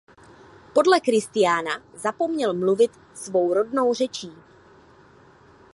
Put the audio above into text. Podle Kristiána zapomněl mluvit svou rodnou řečí.